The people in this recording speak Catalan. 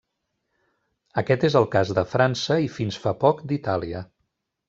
Aquest és el cas de França i fins fa poc d'Itàlia.